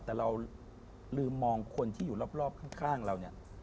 แต่เราลืมมองคนที่อยู่รอบข้างเราเนี่ย